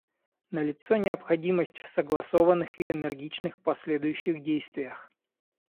Налицо необходимость в согласованных и энергичных последующих действиях.